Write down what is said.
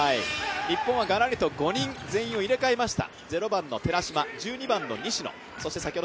日本はがらりと５人全員を入れ替えました。